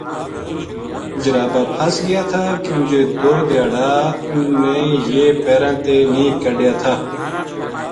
جرابا پھس گیا تھا کیوں جے دو دھیا ڑا اِنھ نے یہ پیراں تے نیہہ کڈھیا تھا۔